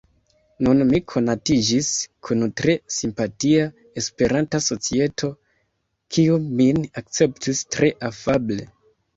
Nun mi konatiĝis kun tre simpatia esperanta societo, kiu min akceptis tre afable.